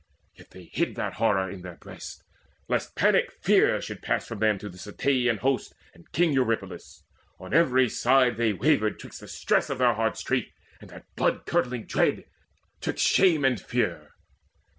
Yet they hid That horror in their breasts, lest panic fear Should pass from them to the Ceteian host And king Eurypylus; so on every side They wavered 'twixt the stress of their hard strait And that blood curdling dread, 'twixt shame and fear.